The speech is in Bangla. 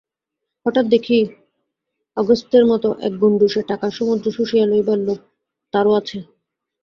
হঠাৎ দেখি, অগস্ত্যের মতো এক গণ্ডূষে টাকার সমুদ্র শুষিয়া লইবার লোভ তারও আছে।